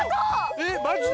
えっマジで？